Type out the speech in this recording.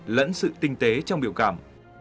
lẫn sự tinh tế trong biểu cảm